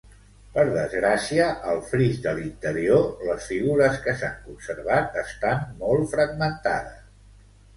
Per desgràcia, al fris de l'interior, les figures que s'han conservat estan molt fragmentades.